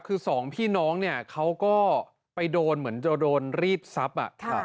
คือสองพี่น้องเนี่ยเขาก็ไปโดนเหมือนจะโดนรีดทรัพย์